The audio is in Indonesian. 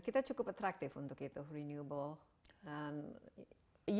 kita cukup atraktif untuk itu renewable